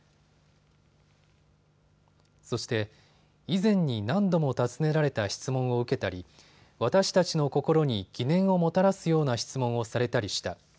そして、以前に何度も尋ねられた質問を受けたり私たちの心に疑念をもたらすような質問をされたりした。